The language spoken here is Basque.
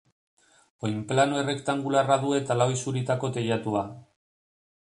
Oinplano errektangularra du eta lau isuritako teilatua.